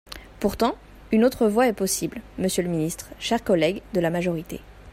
Pourtant, une autre voie est possible, monsieur le ministre, chers collègues de la majorité.